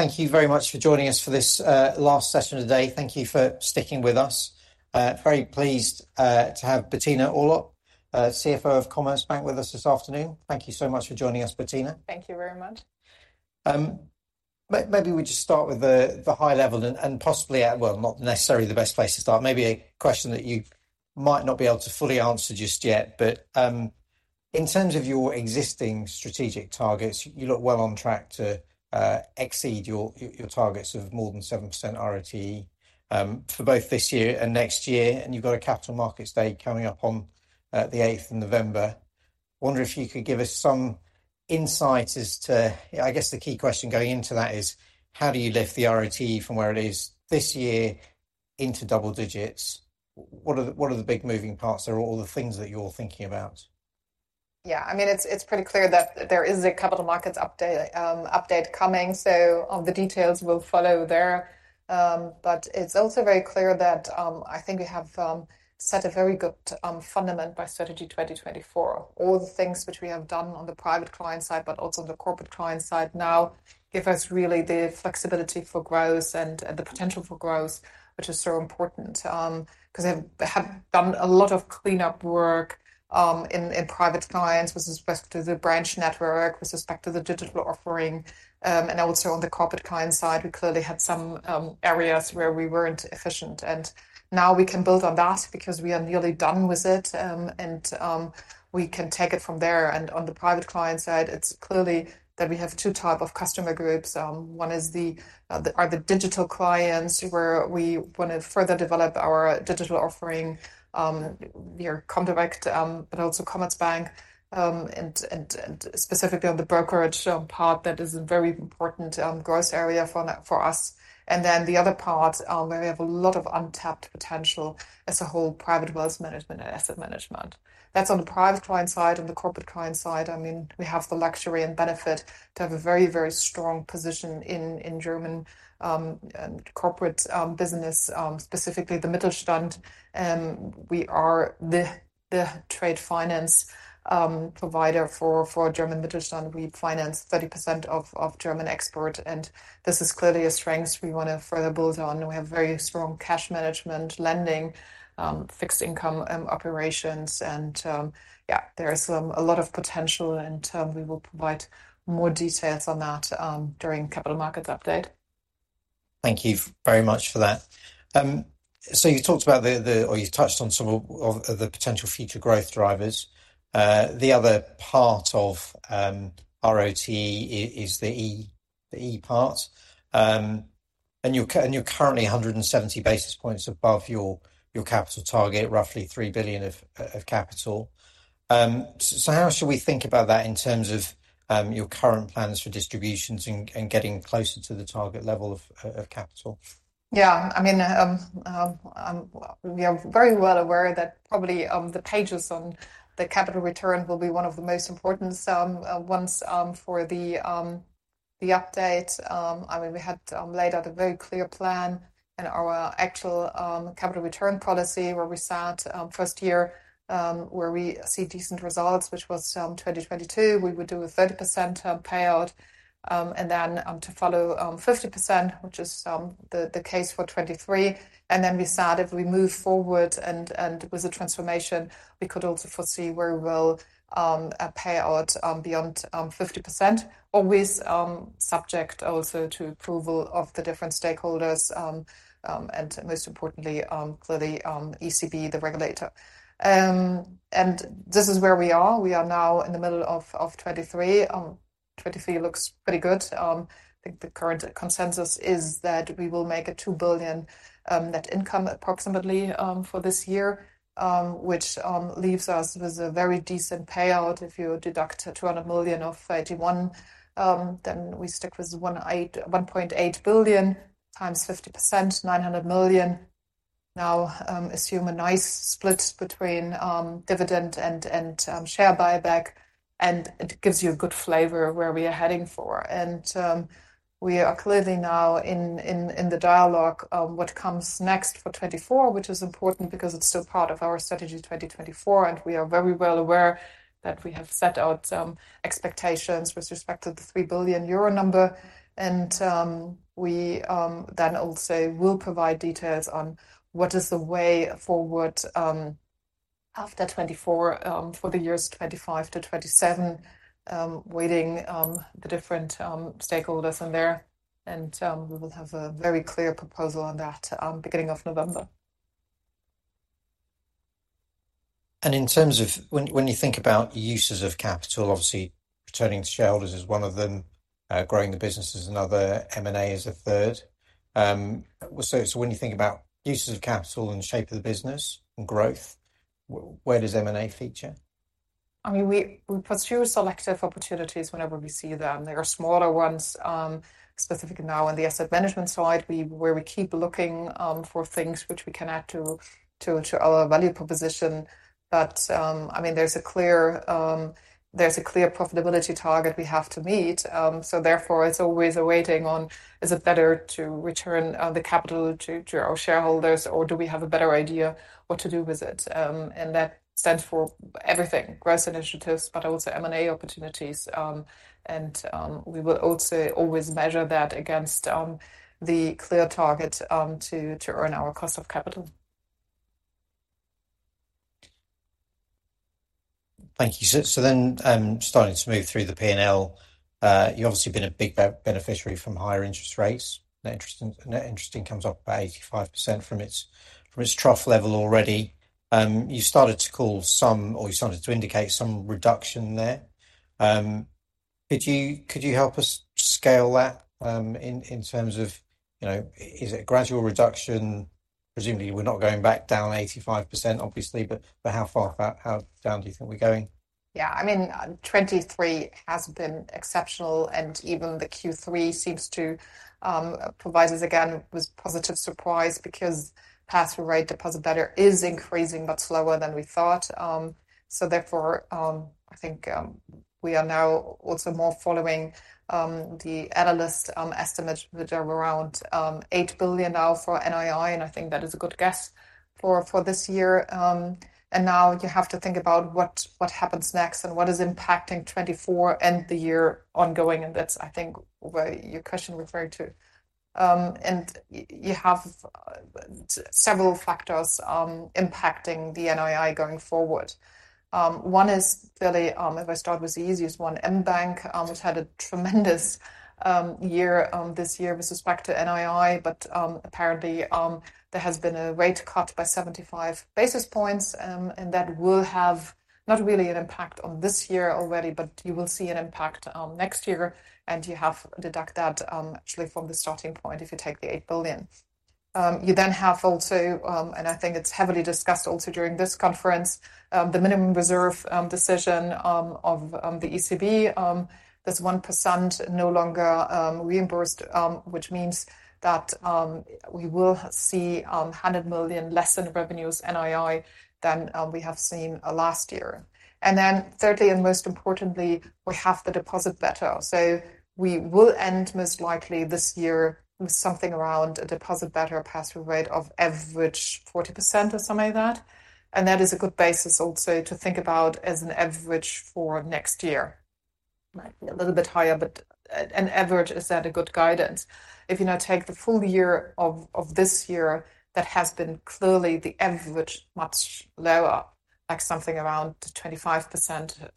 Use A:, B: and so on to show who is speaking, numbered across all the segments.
A: Thank you very much for joining us for this, last session of the day. Thank you for sticking with us. Very pleased, to have Bettina Orlopp, CFO of Commerzbank, with us this afternoon. Thank you so much for joining us, Bettina.
B: Thank you very much.
A: Maybe we just start with the high level and possibly, well, not necessarily the best place to start. Maybe a question that you might not be able to fully answer just yet, but in terms of your existing strategic targets, you look well on track to exceed your targets of more than 7% RoTE for both this year and next year, and you've got a Capital Markets Day coming up on the eighth of November. I wonder if you could give us some insight as to, I guess, the key question going into that is: How do you lift the RoTE from where it is this year into double digits? What are the big moving parts or all the things that you're thinking about?
B: Yeah, I mean, it's pretty clear that there is a Capital Markets Update coming, so the details will follow there. But it's also very clear that I think we have set a very good fundament by Strategy 2024. All the things which we have done on the Private Client Side, but also on the Corporate Client Side now give us really the flexibility for growth and the potential for growth, which is so important, 'cause we have done a lot of cleanup work in private clients with respect to the branch network, with respect to the digital offering. On the Corporate Client Side, we clearly had some areas where we weren't efficient, and now we can build on that because we are nearly done with it, and we can take it from there. On the Private Client Side, it's clear that we have two types of customer groups. One is the digital clients, where we want to further develop our digital offering, near Comdirect, but also Commerzbank, and specifically on the brokerage part, that is a very important growth area for us. Then the other part, where we have a lot of untapped potential as a whole, is private wealth management and asset management. That's on the Private Client Side. On the Corporate Client Side, I mean, we have the luxury and benefit to have a very, very strong position in German and corporate business, specifically the Mittelstand, and we are the trade finance provider for German Mittelstand. We finance 30% of German export, and this is clearly a strength we wanna further build on, and we have very strong cash management, lending, fixed income, operations. There is a lot of potential, and we will provide more details on that during Capital Markets Update.
A: Thank you very much for that. So you talked about the or you touched on some of the potential future growth drivers. The other part of RoTE is the E, the E part. And you're currently 170 basis points above your capital target, roughly 3 billion of capital. So how should we think about that in terms of your current plans for distributions and getting closer to the target level of capital?
B: Yeah. I mean, we are very well aware that probably the pages on the capital return will be one of the most important ones for the update. I mean, we had laid out a very clear plan in our actual capital return policy, where we said, first year, where we see decent results, which was 2022, we would do a 30% payout. And then, to follow, 50%, which is the case for 2023. And then we said if we move forward and with the transformation, we could also foresee where we will payout beyond 50%, always subject also to approval of the different stakeholders, and most importantly, clearly, ECB, the regulator. And this is where we are. We are now in the middle of 2023. 2023 looks pretty good. I think the current consensus is that we will make 2 billion net income approximately for this year, which leaves us with a very decent payout. If you deduct 200 million of 2021, then we stick with 1.8 billion × 50%, 900 million. Now, assume a nice split between dividend and share buyback, and it gives you a good flavor of where we are heading for. We are clearly now in the dialogue of what comes next for 2024, which is important because it's still part of our Strategy 2024, and we are very well aware that we have set out some expectations with respect to the 3 billion euro number. We then also will provide details on what is the way forward, after 2024, for the years 2025 to 2027, weighing the different stakeholders in there. We will have a very clear proposal on that, beginning of November.
A: In terms of when, when you think about uses of capital, obviously returning to shareholders is one of them, growing the business is another, M&A is a third. So when you think about uses of capital and the shape of the business and growth, where does M&A feature?
B: I mean, we pursue selective opportunities whenever we see them. There are smaller ones, specifically now on the asset management side, where we keep looking for things which we can add to our value proposition. But, I mean, there's a clear profitability target we have to meet. So therefore, it's always a waiting on, is it better to return the capital to our shareholders, or do we have a better idea what to do with it? And that stands for everything, growth initiatives, but also M&A opportunities. And we will also always measure that against the clear target to earn our cost of capital. ...
A: Thank you, so then, starting to move through the P&L, you've obviously been a big beneficiary from higher interest rates. Net interest income comes up by 85% from its trough level already. You started to indicate some reduction there. Could you help us scale that, in terms of, you know, is it a gradual reduction? Presumably, we're not going back down 85%, obviously, but how far, about how down do you think we're going?
B: Yeah, I mean, 2023 has been exceptional, and even the Q3 seems to provide us again with positive surprise because pass-through rate, deposit beta, is increasing, but slower than we thought. So therefore, I think we are now also more following the analyst estimates, which are around 8 billion now for NII, and I think that is a good guess for this year. And now you have to think about what happens next and what is impacting 2024 and the year ongoing, and that's, I think, where your question referred to. And you have several factors impacting the NII going forward. If I start with the easiest one, mBank, which had a tremendous year this year with respect to NII, but apparently there has been a rate cut by 75 basis points, and that will have not really an impact on this year already, but you will see an impact on next year, and you have to deduct that actually from the starting point if you take the 8 billion. You then have also, and I think it's heavily discussed also during this conference, the minimum reserve decision of the ECB. That's 1% no longer reimbursed, which means that we will see 100 million less in revenues NII than we have seen last year. And then thirdly, and most importantly, we have the deposit beta. So we will end most likely this year with something around a deposit beta pass-through rate of average 40% or something like that, and that is a good basis also to think about as an average for next year. Might be a little bit higher, but an average, is that a good guidance? If you now take the full year of this year, that has been clearly the average, much lower, like something around 25%,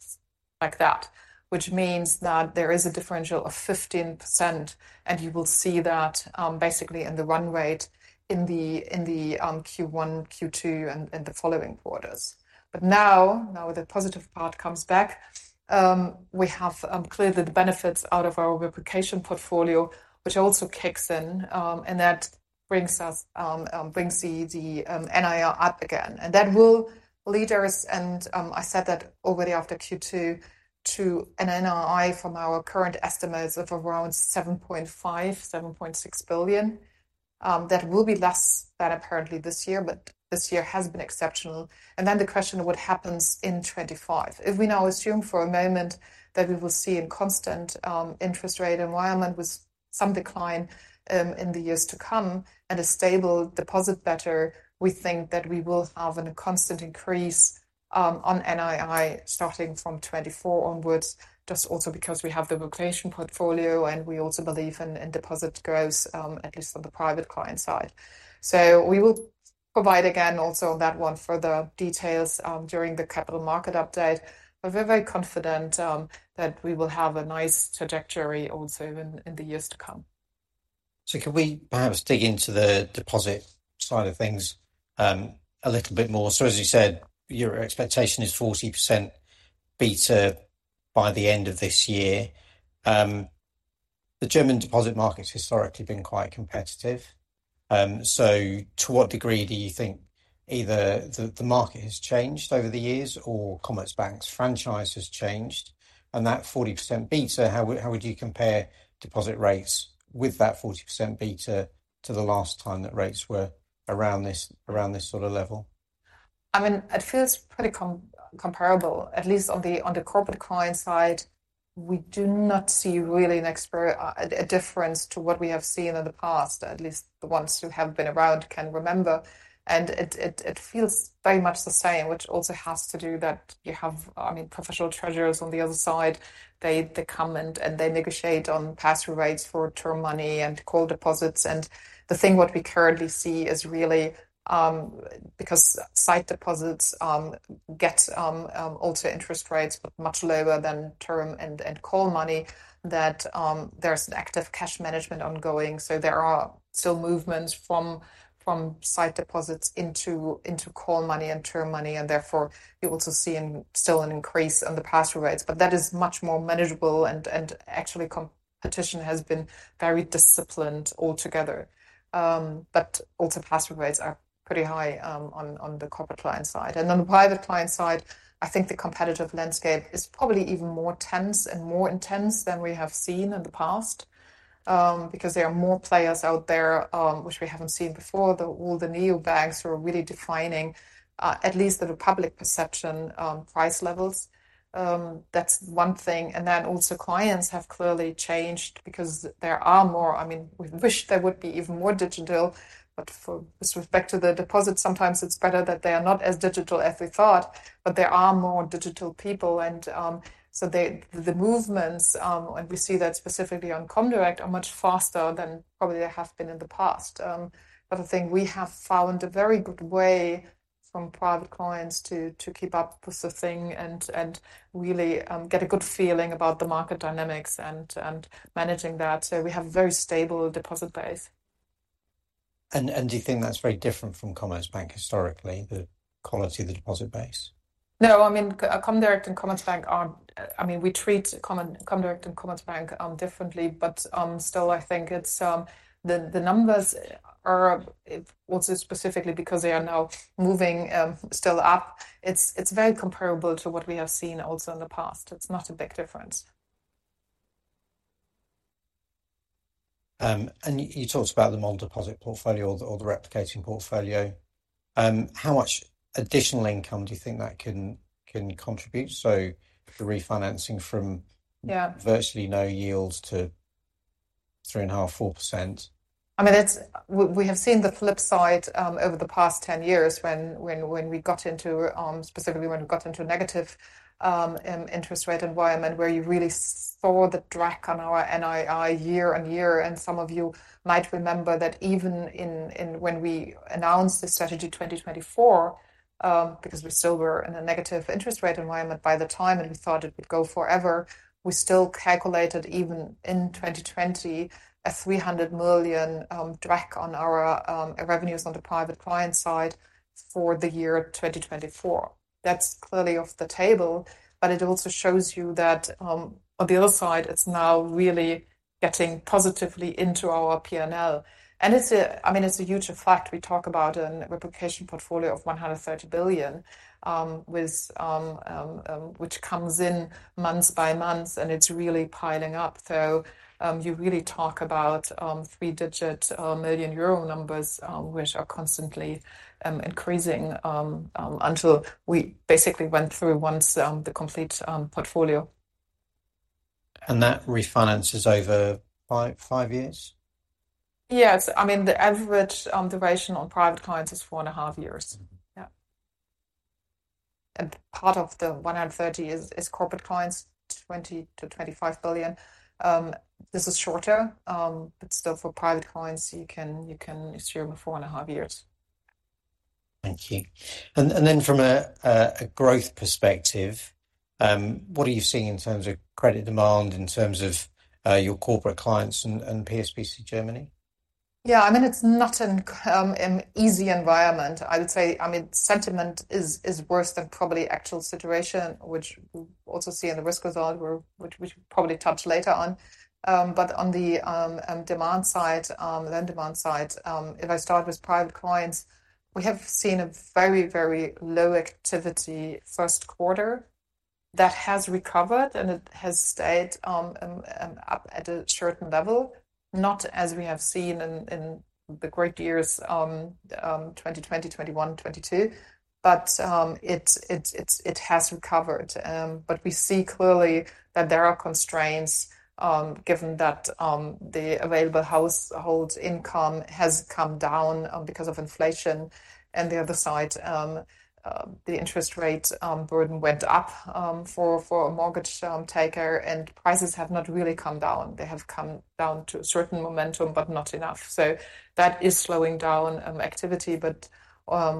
B: like that, which means that there is a differential of 15%, and you will see that basically in the run rate, in the Q1, Q2, and the following quarters. But now the positive part comes back. We have clearly the benefits out of our replication portfolio, which also kicks in, and that brings us, brings the NII up again. That will lead us, and I said that already after Q2, to an NII from our current estimates of around 7.5 billion-7.6 billion. That will be less than apparently this year, but this year has been exceptional. The question of what happens in 2025. If we now assume for a moment that we will see a constant, interest rate environment with some decline, in the years to come, and a stable deposit beta, we think that we will have a constant increase, on NII starting from 2024 onwards, just also because we have the replication portfolio, and we also believe in deposit growth, at least on the Private Client Side. So we will provide again also on that one further details, during the Capital Markets Update. But we're very confident, that we will have a nice trajectory also in the years to come.
A: So could we perhaps dig into the deposit side of things, a little bit more? So as you said, your expectation is 40% beta by the end of this year. The German deposit market has historically been quite competitive. So to what degree do you think either the market has changed over the years or Commerzbank's franchise has changed? And that 40% beta, how would you compare deposit rates with that 40% beta to the last time that rates were around this sort of level?
B: I mean, it feels pretty comparable, at least on the Corporate Client Side. We do not see really an expect a difference to what we have seen in the past, at least the ones who have been around can remember. And it feels very much the same, which also has to do that you have, I mean, professional treasurers on the other side. They come and they negotiate on pass-through rates for term money and call deposits. And the thing what we currently see is really because sight deposits get also interest rates, but much lower than term and call money, that there's an active cash management ongoing. So there are still movements from sight deposits into call money and term money, and therefore, you're also seeing still an increase on the pass-through rates. But that is much more manageable, and actually, competition has been very disciplined altogether. But also pass-through rates are pretty high on the Corporate Client Side. And on the Private Client Side, I think the competitive landscape is probably even more tense and more intense than we have seen in the past, because there are more players out there, which we haven't seen before. All the neobanks are really defining at least the public perception price levels. That's one thing, and then also clients have clearly changed because there are more, I mean, we wish there would be even more digital, but for with respect to the deposits, sometimes it's better that they are not as digital as we thought, but there are more digital people. The movements, and we see that specifically on Comdirect, are much faster than probably they have been in the past. I think we have found a very good way from private clients to keep up with the thing and really get a good feeling about the market dynamics and managing that. We have a very stable deposit base.
A: Do you think that's very different from Commerzbank historically, the quality of the deposit base?
B: No, I mean, Comdirect and Commerzbank are, I mean, we treat Comdirect and Commerzbank differently, but still I think it's the numbers are, if also specifically because they are now moving still up, it's very comparable to what we have seen also in the past. It's not a big difference.
A: And you talked about the model deposit portfolio or the replication portfolio. How much additional income do you think that can contribute? So if you're refinancing from-
B: Yeah
A: Vrtually no yields to 3.5%-4%?
B: I mean, it's we have seen the flip side over the past 10 years when we got into, specifically when we got into a negative interest rate environment, where you really saw the drag on our NII year-on-year. And some of you might remember that even when we announced the Strategy 2024, because we still were in a negative interest rate environment by the time, and we thought it would go forever, we still calculated, even in 2020, a 300 million drag on our revenues on the Private Client Side for the year 2024. That's clearly off the table, but it also shows you that on the other side, it's now really getting positively into our P&L. And it's a I mean, it's a huge effect. We talk about a replication portfolio of 130 billion, which comes in month by month, and it's really piling up. You really talk about three-digit million euro numbers, which are constantly increasing until we basically went through once the complete portfolio.
A: That refinances over five, 5 years?
B: Yes. I mean, the average duration on private clients is four and a half years. Yeah. And part of the 130 is corporate clients, 20 billion-25 billion. This is shorter, but still for private clients, you can assume four and a half years.
A: Thank you. And then from a growth perspective, what are you seeing in terms of credit demand, in terms of your corporate clients and PSBC Germany?
B: Yeah, I mean, it's not an easy environment. I would say, I mean, sentiment is worse than probably actual situation, which we also see in the risk result, where... which we probably touch later on. On the demand side, the demand side, if I start with private clients, we have seen a very, very low activity first quarter that has recovered, and it has stayed up at a certain level, not as we have seen in the great years, 2020, 2021, 2022, but it has recovered. But we see clearly that there are constraints, given that the available household income has come down because of inflation, and the other side, the interest rate burden went up for a mortgage taker, and prices have not really come down. They have come down to a certain momentum, but not enough. So that is slowing down activity, but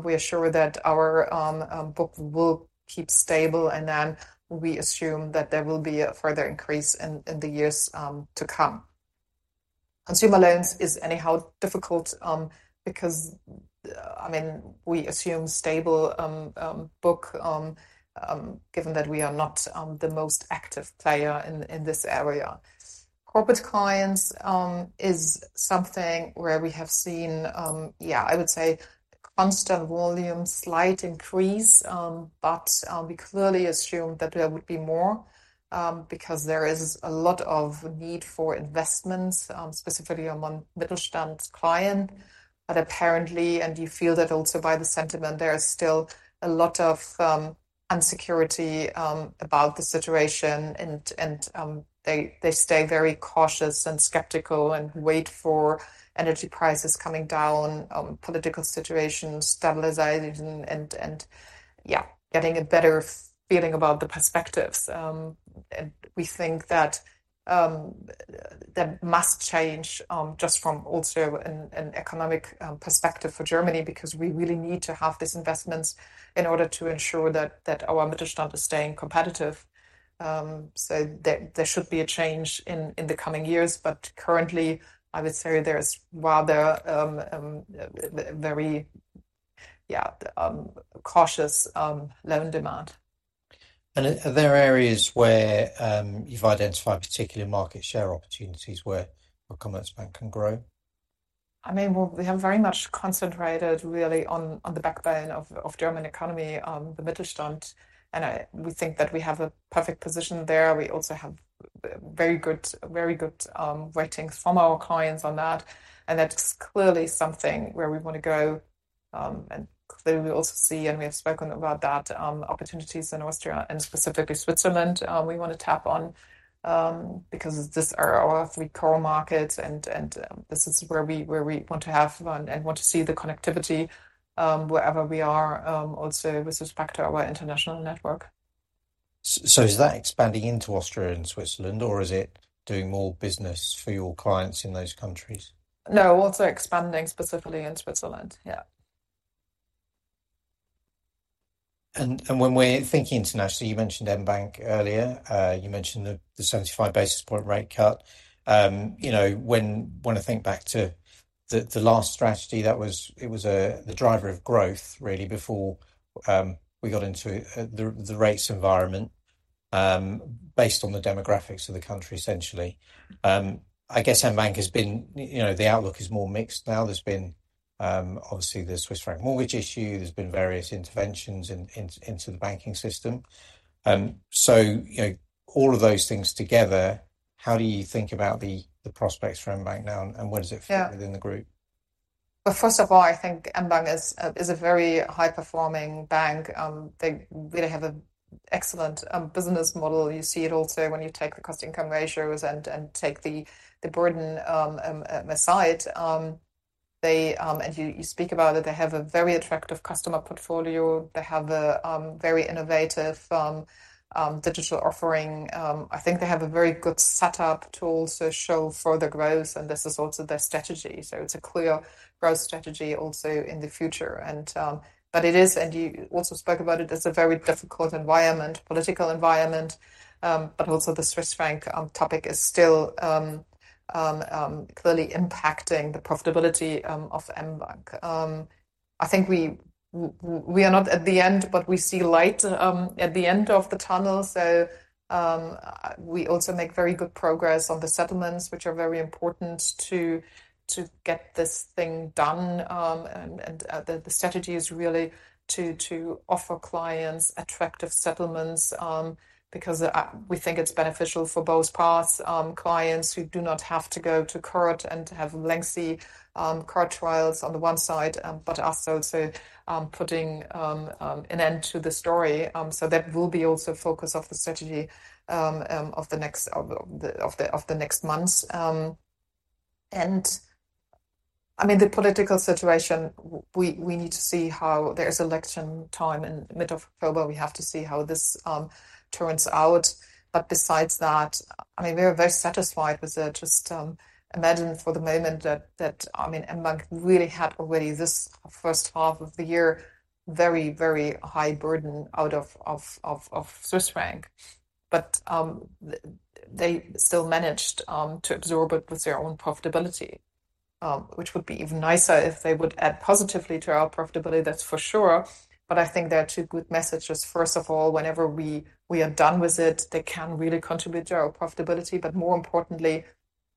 B: we are sure that our book will keep stable, and then we assume that there will be a further increase in the years to come. Consumer Loans is anyhow difficult because, I mean, we assume stable book given that we are not the most active player in this area. Corporate clients is something where we have seen, yeah, I would say constant volume, slight increase, but we clearly assumed that there would be more, because there is a lot of need for investments, specifically among Mittelstand client. But apparently you feel that also by the sentiment, there is still a lot of uncertainty about the situation, and they stay very cautious and skeptical and wait for energy prices coming down, political situation stabilizing, and yeah, getting a better feeling about the perspectives. We think that that must change, just from also an economic perspective for Germany, because we really need to have these investments in order to ensure that our Mittelstand is staying competitive. So there should be a change in the coming years, but currently, I would say there is rather very cautious loan demand.
A: Are there areas where you've identified particular market share opportunities where Commerzbank can grow?
B: I mean, well, we have very much concentrated really on the backbone of German Economy, the Mittelstand, and we think that we have a perfect position there. We also have very good, very good, ratings from our clients on that, and that's clearly something where we want to go. And clearly, we also see, and we have spoken about that, opportunities in Austria and specifically Switzerland, we want to tap on, because these are our three core markets, and this is where we want to have and want to see the connectivity, wherever we are, also with respect to our International Network.
A: So is that expanding into Austria and Switzerland, or is it doing more business for your clients in those countries?
B: No, also expanding specifically in Switzerland. Yeah.
A: When we're thinking internationally, you mentioned mBank earlier. You mentioned the 75 basis point rate cut. You know, when I think back to the last strategy, that was it was the driver of growth really, before we got into the rates environment, based on the demographics of the country, essentially. I guess mBank has been, you know, the outlook is more mixed now. There's been obviously, the Swiss franc mortgage issue, there's been various interventions into the banking system. So, you know, all of those things together, how do you think about the prospects for mBank now, and what does it fit-
B: Yeah
A: Within the group?
B: Well, first of all, I think mBank is a very high-performing bank. They really have an excellent business model. You see it also when you take the cost income ratios and take the burden aside. They, and you speak about it, they have a very attractive customer portfolio. They have a very innovative digital offering. I think they have a very good setup to also show further growth, and this is also their strategy. So it's a clear growth strategy also in the future. But it is, and you also spoke about it, it's a very difficult environment, political environment, but also the Swiss franc topic is still clearly impacting the profitability of mBank. I think we are not at the end, but we see light at the end of the tunnel. We also make very good progress on the settlements, which are very important to get this thing done. The strategy is really to offer clients attractive settlements, because we think it's beneficial for both parts. Clients who do not have to go to court and to have lengthy court trials on the one side, but us also putting an end to the story. That will be also focus of the strategy of the next months. I mean, the political situation, we need to see how there is election time in mid of October. We have to see how this turns out. But besides that, I mean, we are very satisfied with the just, imagine for the moment that, that, I mean, mBank really had already this first half of the year, very, very high burden out of Swiss franc. But they still managed to absorb it with their own profitability, which would be even nicer if they would add positively to our profitability, that's for sure. But I think there are two good messages. First of all, whenever we are done with it, they can really contribute to our profitability. But more importantly,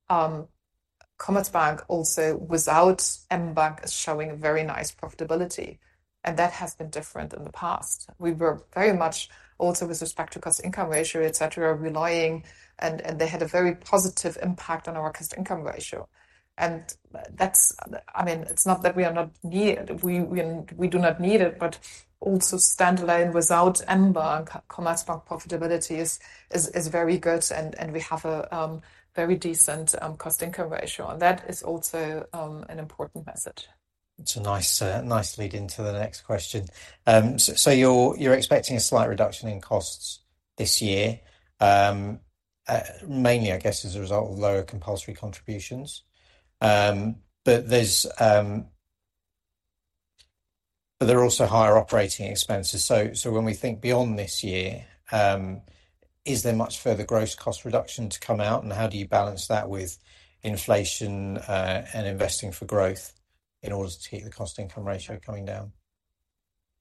B: Commerzbank also, without mBank, is showing a very nice profitability, and that has been different in the past. We were very much also with respect to cost-income ratio, et cetera, relying, and they had a very positive impact on our cost-income ratio. That's, I mean, it's not that we do not need it, but also standalone without mBank, Commerzbank profitability is very good, and we have a very decent cost-income ratio, and that is also, I mean, an important message.
A: It's a nice, nice lead into the next question. So, so you're, you're expecting a slight reduction in costs this year, mainly, I guess, as a result of lower compulsory contributions. But there's... but there are also higher operating expenses. So, so when we think beyond this year, is there much further gross cost reduction to come out, and how do you balance that with inflation, and investing for growth in order to keep the cost-income ratio coming down?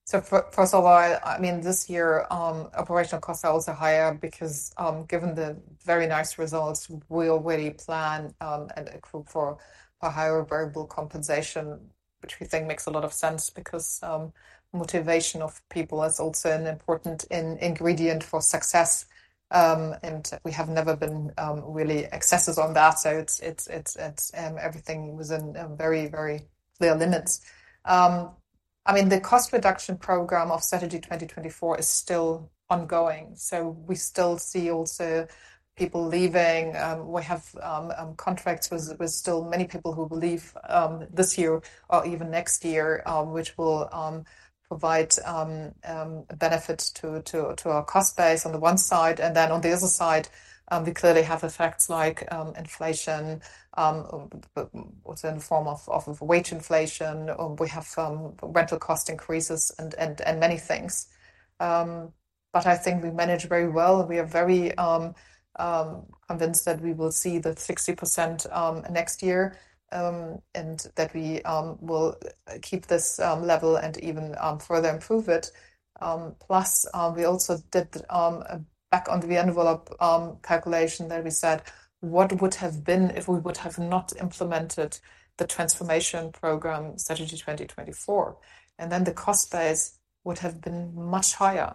B: So first of all, I mean, this year, operational costs are also higher because, given the very nice results, we already plan and accrue for a higher variable compensation, which we think makes a lot of sense because motivation of people is also an important ingredient for success. And we have never been really excessive on that. So it's everything was in very, very clear limits. I mean, the cost reduction program of Strategy 2024 is still ongoing, so we still see also people leaving. We have contracts with still many people who will leave this year or even next year, which will provide benefits to our cost base on the one side, and then on the other side, we clearly have effects like inflation, but in the form of wage inflation, or we have rental cost increases and many things. But I think we manage very well. We are very convinced that we will see the 60% next year, and that we will keep this level and even further improve it. Plus, we also did a back-of-the-envelope calculation that we said, what would have been if we would have not implemented the transformation program Strategy 2024? Then the cost base would have been much higher.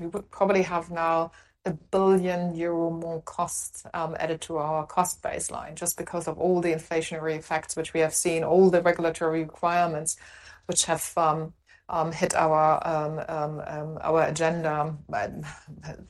B: We would probably have now 1 billion euro more costs added to our cost baseline just because of all the inflationary effects which we have seen, all the regulatory requirements which have hit our agenda, but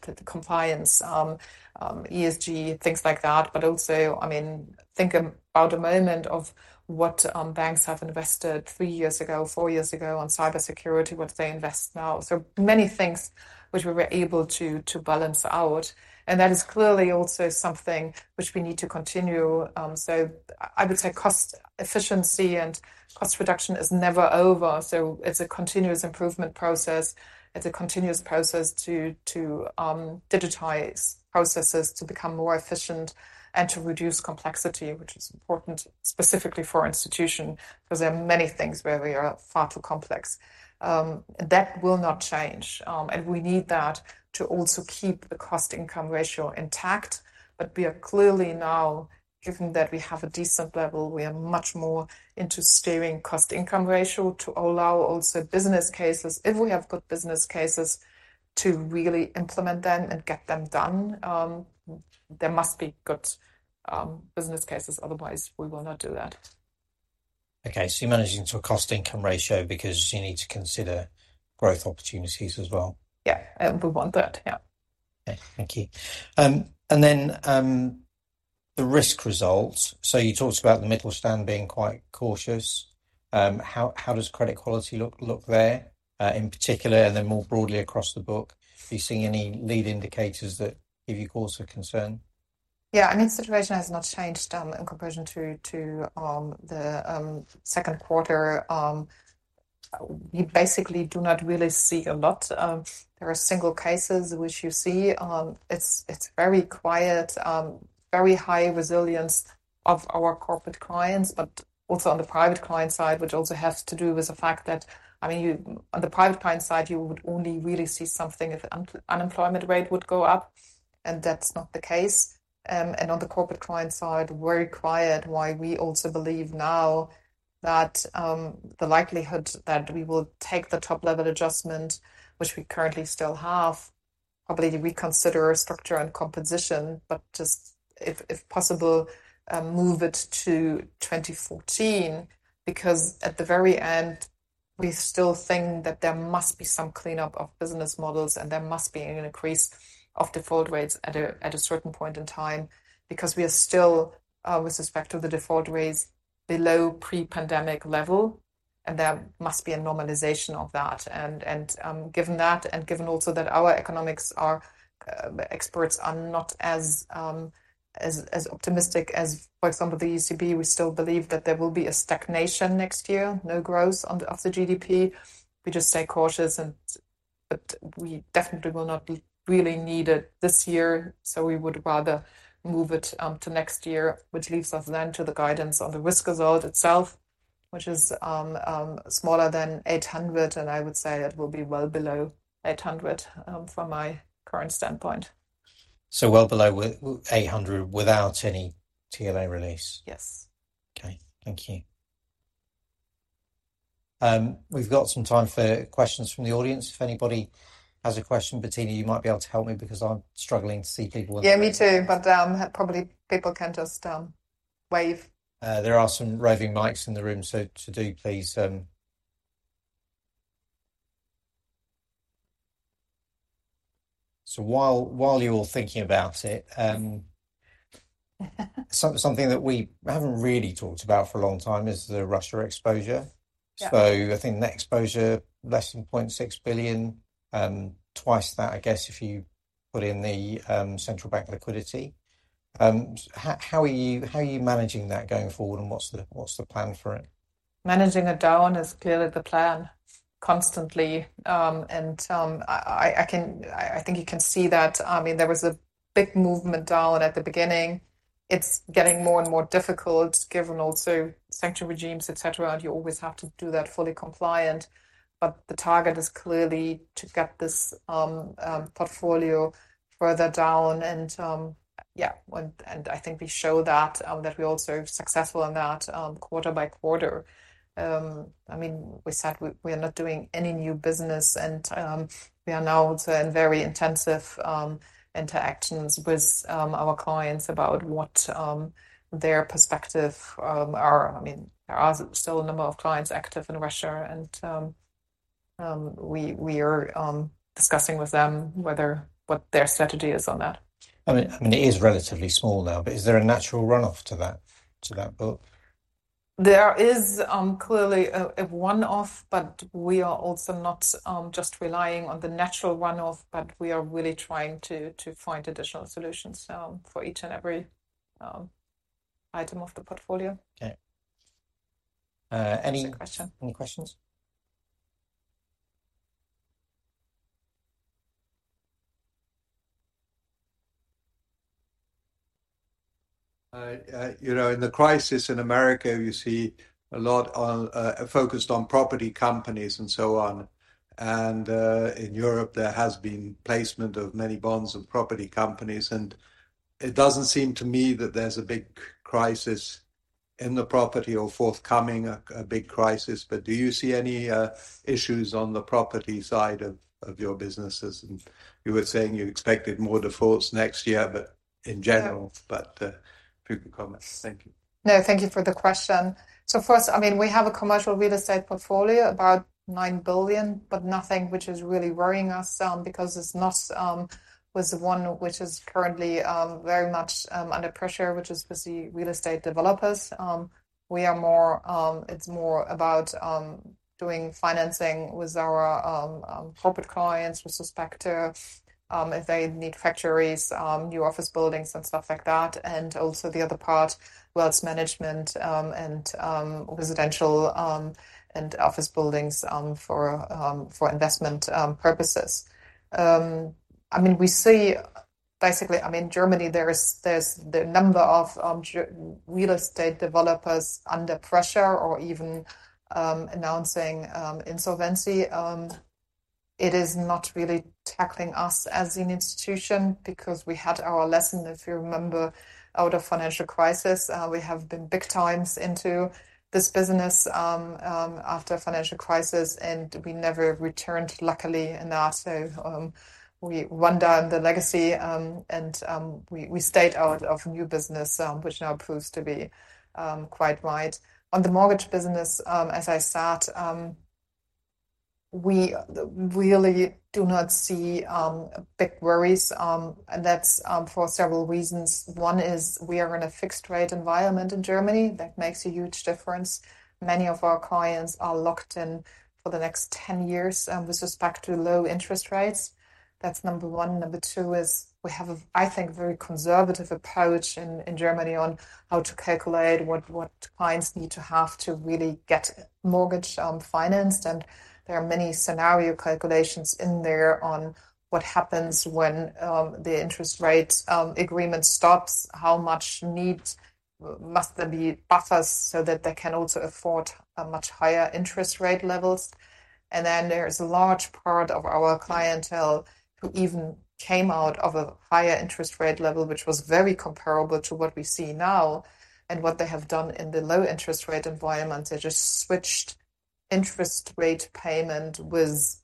B: the compliance, ESG, things like that. But also, I mean, think about the amount of what banks have invested three years ago, four years ago on cybersecurity, what they invest now. So many things which we were able to balance out, and that is clearly also something which we need to continue. So I would say cost efficiency and cost reduction is never over, so it's a continuous improvement process. It's a continuous process to digitize processes to become more efficient and to reduce complexity, which is important specifically for institution, 'cause there are many things where we are far too complex. That will not change. And we need that to also keep the cost-income ratio intact. But we are clearly now, given that we have a decent level, we are much more into steering cost-income ratio to allow also business cases, if we have good business cases, to really implement them and get them done. There must be good business cases, otherwise we will not do that.
A: Okay, so you're managing to a cost-income ratio because you need to consider growth opportunities as well?
B: Yeah, and we want that. Yeah.
A: Okay. Thank you. And then, the risk results, so you talked about the Mittelstand being quite cautious. How does credit quality look there, in particular, and then more broadly across the book? Are you seeing any lead indicators that give you cause for concern?
B: Yeah, I mean, the situation has not changed in comparison to the second quarter. We basically do not really see a lot. There are single cases which you see. It's very quiet, very high resilience of our corporate clients, but also on the Private Client Side, which also has to do with the fact that, I mean, you, on the Private Client Side, you would only really see something if unemployment rate would go up, and that's not the case. On the Corporate Client Side, very quiet, why we also believe now that the likelihood that we will take the top-level adjustment, which we currently still have, probably reconsider structure and composition, but just if possible, move it to 2014, because at the very end, we still think that there must be some cleanup of business models, and there must be an increase of default rates at a certain point in time, because we are still with respect to the default rates below pre-pandemic level, and there must be a normalization of that. And given that, and given also that our economics experts are not as optimistic as, for example, the ECB, we still believe that there will be a stagnation next year, no growth on the of the GDP. We just stay cautious, but we definitely will not be really needed this year, so we would rather move it to next year, which leaves us then to the guidance on the risk result itself, which is smaller than 800, and I would say it will be well below 800 from my current standpoint.
A: So well below 800 without any TLA release?
B: Yes.
A: Okay. Thank you. We've got some time for questions from the audience. If anybody has a question, Bettina, you might be able to help me because I'm struggling to see people.
B: Yeah, me too, but, probably people can just, wave.
A: There are some roving mics in the room, so to do, please. So while you're all thinking about it, so something that we haven't really talked about for a long time is the Russia exposure.
B: Yeah.
A: So I think net exposure, less than 0.6 billion, twice that, I guess, if you put in the central bank liquidity. How are you, how are you managing that going forward, and what's the, what's the plan for it?
B: Managing it down is clearly the plan constantly. I think you can see that, I mean, there was a big movement down at the beginning. It's getting more and more difficult, given also sanction regimes, et cetera, and you always have to do that fully compliant, but the target is clearly to get this portfolio further down and I think we show that we're also successful in that quarter by quarter. I mean, we said we are not doing any new business, and we are now in very intensive interactions with our clients about what their perspective are. I mean, there are still a number of clients active in Russia, and we are discussing with them whether what their strategy is on that.
A: I mean, I mean, it is relatively small now, but is there a natural run-off to that, to that book?
B: There is clearly a one-off, but we are also not just relying on the natural run-off, but we are really trying to find additional solutions for each and every item of the portfolio.
A: Okay.
B: Questions.
A: Any questions? ...
C: you know, in the crisis in America, you see a lot on, focused on property companies and so on, and, in Europe, there has been placement of many bonds and property companies, and it doesn't seem to me that there's a big crisis in the property or forthcoming a big crisis. But do you see any issues on the property side of your businesses? And you were saying you expected more defaults next year, but in general-
B: Yeah
C: But, few comments. Thank you.
B: No, thank you for the question. So first, I mean, we have a commercial real estate portfolio, about 9 billion, but nothing which is really worrying us, because it's not with one which is currently very much under pressure, which is with the real estate developers. We are more... it's more about doing financing with our corporate clients with respect to if they need factories, new office buildings, and stuff like that, and also the other part, wealth management, and residential and office buildings for investment purposes. I mean, we see basically... I mean, Germany, there's the number of German real estate developers under pressure or even announcing insolvency. It is not really tackling us as an institution because we had our lesson, if you remember, out of financial crisis. We have been big time into this business, after financial crisis, and we never returned, luckily, enough, so, we wound down the legacy, and we stayed out of new business, which now proves to be quite right. On the mortgage business, as I said, we really do not see big worries, and that's for several reasons. One is we are in a fixed-rate environment in Germany. That makes a huge difference. Many of our clients are locked in for the next 10 years, with respect to low interest rates. That's number one. Number two is we have, I think, a very conservative approach in Germany on how to calculate what clients need to have to really get mortgage financed, and there are many scenario calculations in there on what happens when the interest rate agreement stops, how much must there be buffers, so that they can also afford a much higher interest rate levels. And then there is a large part of our clientele who even came out of a higher interest rate level, which was very comparable to what we see now, and what they have done in the low interest rate environment, they just switched interest rate payment with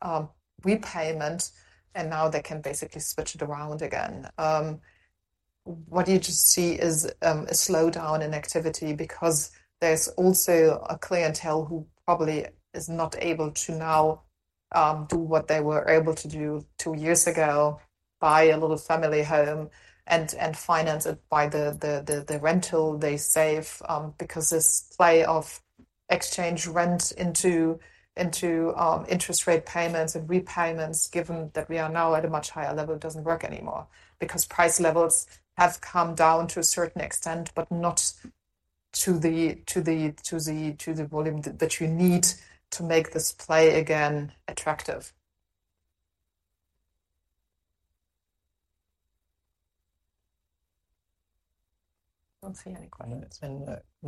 B: repayment, and now they can basically switch it around again. What you just see is a slowdown in activity because there's also a clientele who probably is not able to now do what they were able to do two years ago, buy a little family home and finance it by the rental they save, because this play of exchange rent into interest rate payments and repayments, given that we are now at a much higher level, doesn't work anymore, because price levels have come down to a certain extent, but not to the volume that you need to make this play again attractive. Don't see any questions.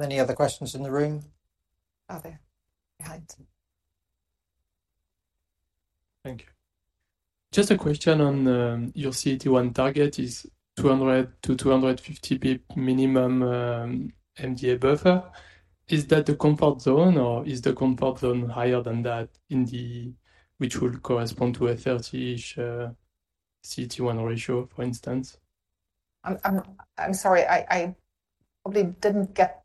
C: Any other questions in the room?
B: Out there. Behind.
C: Thank you. Just a question on your CET1 target is 200-250 bp minimum MDA buffer. Is that the comfort zone, or is the comfort zone higher than that in the... which would correspond to a 30-ish CET1 ratio, for instance?
B: I'm sorry, I probably didn't get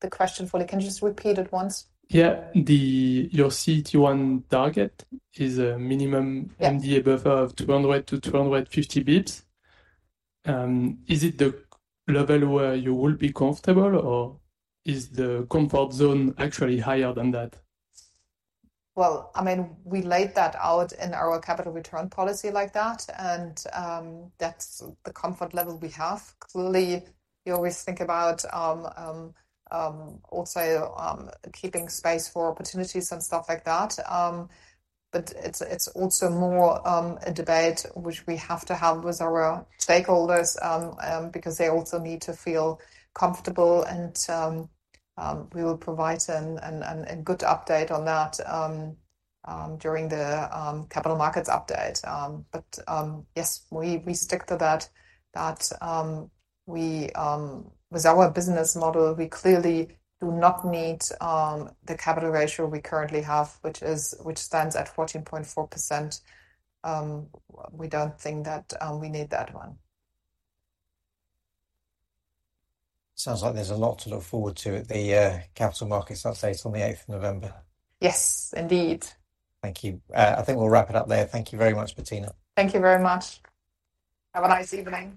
B: the question fully. Can you just repeat it once?
C: Yeah. Your CET1 target is a minimum-
B: Yeah
C: MDA buffer of 200-250 basis points. Is it the level where you will be comfortable, or is the comfort zone actually higher than that?
B: Well, I mean, we laid that out in our Capital Return Policy like that, and that's the comfort level we have. Clearly, you always think about also keeping space for opportunities and stuff like that. But it's also more a debate which we have to have with our stakeholders because they also need to feel comfortable, and we will provide a good update on that during the Capital Markets Update. But yes, we stick to that with our business model, we clearly do not need the capital ratio we currently have, which stands at 14.4%. We don't think that we need that one.
C: Sounds like there's a lot to look forward to at the Capital Markets Update on the eighth of November.
B: Yes, indeed.
C: Thank you. I think we'll wrap it up there. Thank you very much, Bettina.
B: Thank you very much. Have a nice evening.